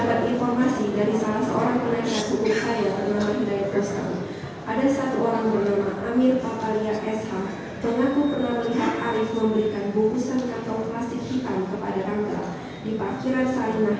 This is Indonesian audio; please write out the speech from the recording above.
dan majelis hakim yang mulia sebagaimana permintaannya mulia pada saat pemeriksaan terhadap diri saya